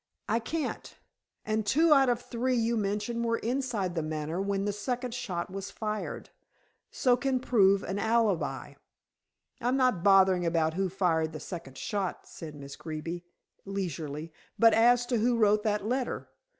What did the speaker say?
"I can't. And two out of three you mention were inside The Manor when the second shot was fired, so can prove an alibi." "I'm not bothering about who fired the second shot," said Miss Greeby leisurely, "but as to who wrote that letter.